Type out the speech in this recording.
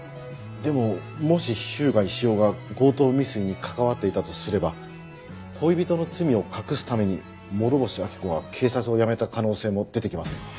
でももし日向石雄が強盗未遂に関わっていたとすれば恋人の罪を隠すために諸星秋子は警察を辞めた可能性も出てきませんか？